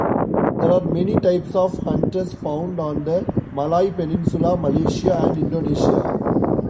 There are many types of hantus found on the Malay peninsula, Malaysia, and Indonesia.